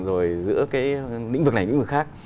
rồi giữa cái lĩnh vực này lĩnh vực khác